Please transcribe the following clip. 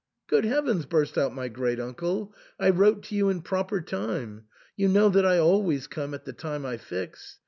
" Good Heavens !" burst out my great uncle, " I wrote to you in proper time ; you know that I always come at the time I fix.